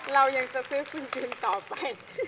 เรายังจะซื้อคุณคืนต่อไป